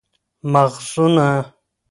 ماخذونه: